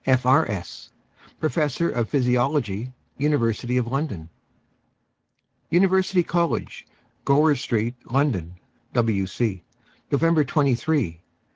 D., B.S., F.R.S., Processor o^ Physiology, University of London. University College, GowER Street, Lonpon, W.C, November 23, 191 7.